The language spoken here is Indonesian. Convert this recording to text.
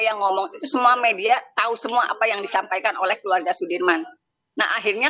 yang ngomong itu semua media tahu semua apa yang disampaikan oleh keluarga sudirman nah akhirnya